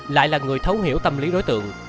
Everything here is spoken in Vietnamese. lại là người thấu hiểu tâm lý đối tượng